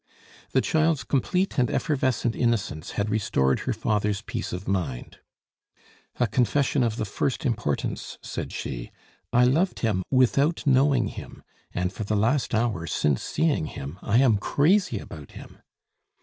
The child's complete and effervescent innocence had restored her father's peace of mind. "A confession of the first importance," said she. "I loved him without knowing him; and, for the last hour, since seeing him, I am crazy about him."